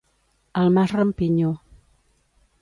Al Mas Rampinyo.